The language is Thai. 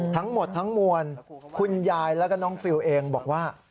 ทั้งหมดทั้งมวลคุณยายแล้วก็น้องฟิลเองบอกว่า